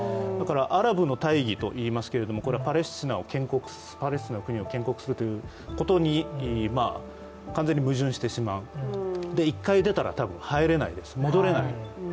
アラブの大義といいますけどパレスチナの国を建国するということに完全に矛盾してしまう、一回出たらたぶん入れない、戻れないです。